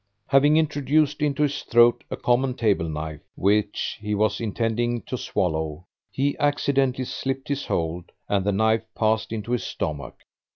Having introduced into his throat a common table knife which he was intending to swallow, he accidentally slipped his hold, and the knife passed into his stomach.